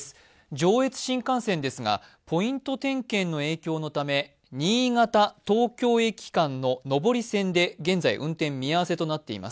上越新幹線ですが、ポイント点検のため新潟ー東京駅間の上り線で現在、運転見合わせとなっています。